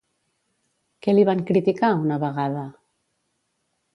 Què li van criticar, una vegada?